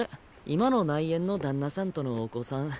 今の内縁の旦那さんとのお子さん